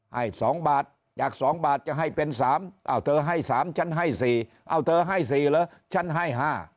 ให้๒บาทจาก๒บาทจะให้เป็น๓เธอให้๓ฉันให้๔เอาเธอให้๔เหรอฉันให้๕